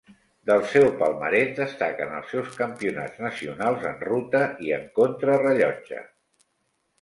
Del seu palmarès destaquen els seus campionats nacionals en ruta i en contrarellotge.